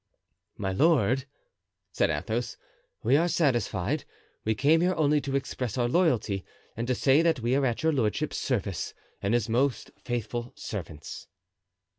"My lord," said Athos, "we are satisfied; we came here only to express our loyalty and to say that we are at your lordship's service and his most faithful servants."